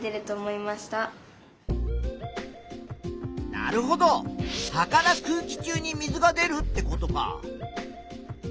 なるほど葉から空気中に水が出るってことか。